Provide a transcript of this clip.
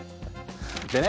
でね